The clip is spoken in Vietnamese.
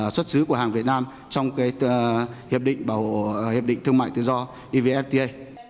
xuất xứ của hàng việt nam trong hiệp định thương mại tự do evfta